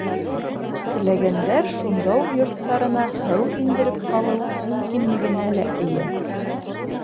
Теләгәндәр шунда уҡ йорттарына һыу индереп ҡалыу мөмкинлегенә лә эйә.